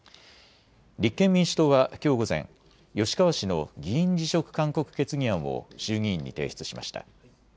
立憲民主党はきょう午前、吉川氏の議員辞職勧告決議案を衆議院に提出しました。